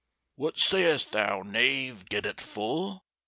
"What sayst thou, knave, get it full?